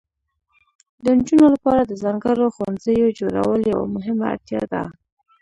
د نجونو لپاره د ځانګړو ښوونځیو جوړول یوه مهمه اړتیا ده.